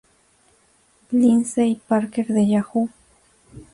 Lindsey Parker de "Yahoo!